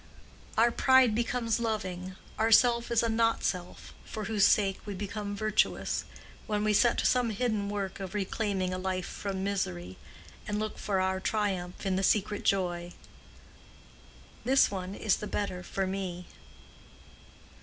Our pride becomes loving, our self is a not self for whose sake we become virtuous, when we set to some hidden work of reclaiming a life from misery and look for our triumph in the secret joy—"This one is the better for me."